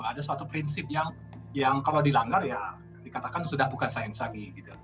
ada suatu prinsip yang kalau dilanggar ya dikatakan sudah bukan sains lagi